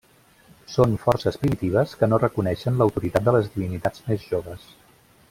Són forces primitives que no reconeixen l'autoritat de les divinitats més joves.